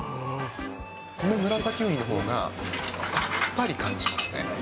このムラサキウニのほうがさっぱり感じますね。